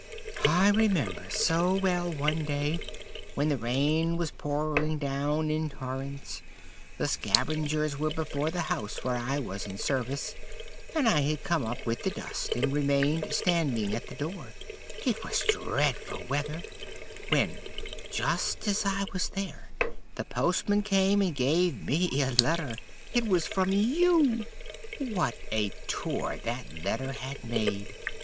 I remember so well one day, when the rain was pouring down in torrents, the scavengers were before the house where I was in service, and I had come up with the dust, and remained standing at the door it was dreadful weather when just as I was there, the postman came and gave me a letter. It was from you! What a tour that letter had made!